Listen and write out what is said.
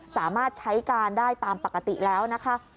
สามารถใช้การได้ตามปกติแล้วนะคะ